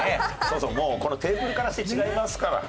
そうそうもうこのテーブルからして違いますから。